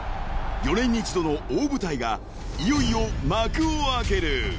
［４年に一度の大舞台がいよいよ幕を開ける］